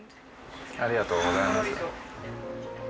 ありがとうございます。